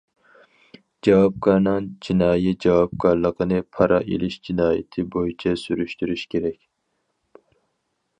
جاۋابكارنىڭ جىنايى جاۋابكارلىقىنى پارا ئېلىش جىنايىتى بويىچە سۈرۈشتۈرۈش كېرەك.